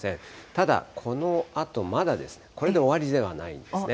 ただ、このあとまだこれで終わりではないんですね。